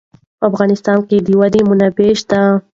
په افغانستان کې د وادي منابع شته.